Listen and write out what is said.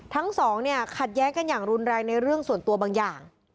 ทั้งสองเนี่ยขัดแย้งกันอย่างรุนแรงในเรื่องส่วนตัวบางอย่าง